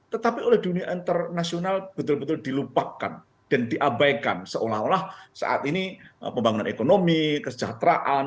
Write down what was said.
tetapi oleh dunia internasional betul betul dilupakan dan diabaikan seolah olah saat ini pembangunan ekonomi kesejahteraan